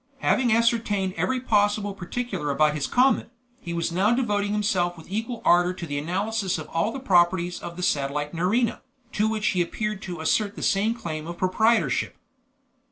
Having ascertained every possible particular about his comet, he was now devoting himself with equal ardor to the analysis of all the properties of the satellite Nerina, to which he appeared to assert the same claim of proprietorship.